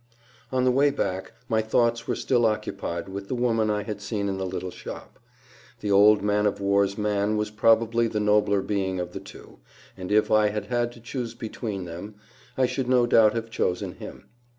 On the way back, my thoughts were still occupied with the woman I had seen in the little shop. The old man of war's man was probably the nobler being of the two; and if I had had to choose between them, I should no doubt have chosen him.